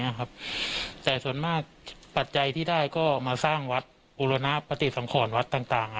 ครับแต่ส่วนมากปัจจัยที่ได้ก็มาสร้างวัดบุรณปฏิสังขรวัดต่างต่าง